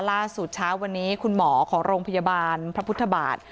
ล่าสุดเช้าวันนี้คุณหมอของโรงพยาบาลพระพุทธบาท